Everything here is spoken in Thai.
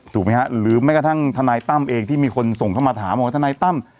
ถูกไหมฮะหรือแม้กระทั่งทนายตั้มเองที่มีคนส่งเข้ามาถามว่าทนายตั้ม